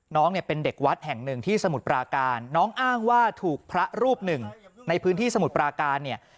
น้องเนี่ยเป็นเด็กวัดแห่งหนึ่งที่สมุทรปราการน้องอ้างว่าถูกพระรูปหนึ่งในพื้นที่สมุทรปราการเนี่ย